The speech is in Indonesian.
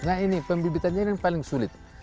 nah ini pembibitannya ini paling sulit